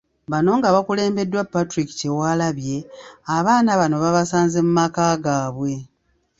Bano nga bakulembeddwa Patrick Kyewalabye, abaana bano babasanze mu maka gaabwe.